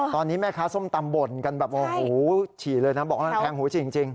ตอนนี้แม่ค้าส้มตำบ่นกันหูฉี่เลยนะบอกว่าแพงหูฉี่จริง